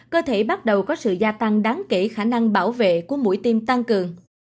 cơ thể bắt đầu có sự gia tăng đáng kể khả năng bảo vệ của mũi tiêm tăng cường